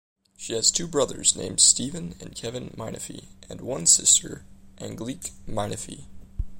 She has two brothers named Stephen and Kevin Menifee and one sister, Angelique Menifee.